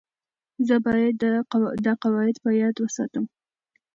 زه باید دا قواعد په یاد وساتم.